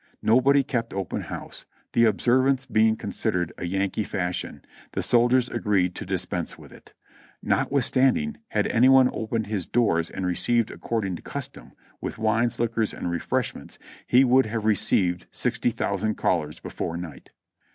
Nobody kept open house; the observance being considered a Yankee fash ion, the soldiers agreed to dispense with it ; notwithstanding, had any one opened his doors and received according to custom, with wines, liquors and refreshments, he would have received sixty thousand callers before night.